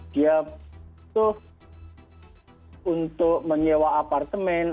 dia butuh untuk menyewa apartemen